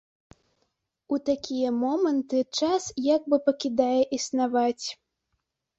У такія моманты час як бы пакідае існаваць.